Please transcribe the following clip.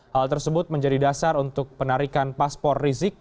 hal tersebut menjadi dasar untuk penarikan paspor rizik